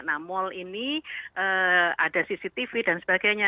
nah mal ini ada cctv dan sebagainya